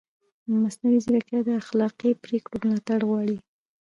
مصنوعي ځیرکتیا د اخلاقي پرېکړو ملاتړ غواړي.